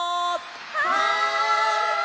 はい！